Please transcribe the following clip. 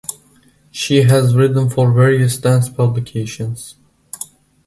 She has written for various dance publications.